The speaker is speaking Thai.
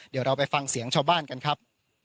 เดี๋ยวเราไปฟังเสียงชาวบ้านกันครับ